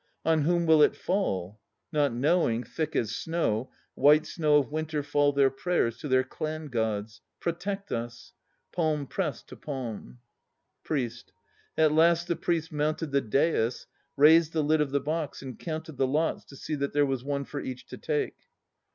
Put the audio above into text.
"On whom will it fall?" Not knowing, thick as snow, White snow of winter fall their prayers To their clan gods, "Protect us" ... Palm pressed to palm. PRIEST. At last the Priest mounted the dais, raised the lid of the box and counted the lots to see that there was one for each to take.